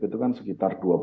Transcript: suara yang dimiliki pdip